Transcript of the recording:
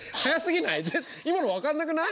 今の分かんなくない？